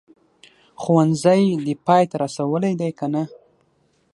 ښوونځی دي پای ته رسولی دی که نه ؟